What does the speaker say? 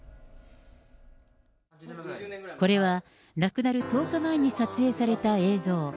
これは、亡くなる１０日前に撮影された映像。